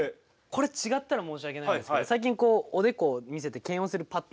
これ違ったら申し訳ないんですけど最近こうおでこを見せて検温するパッドとかあるじゃないですか。